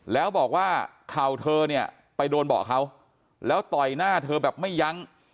แล้วบอกว่าเข่าเธอเนี่ยไปโดนเบาะเขาแล้วต่อยหน้าเธอแบบไม่ยั้ง